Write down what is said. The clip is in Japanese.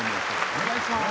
お願いします。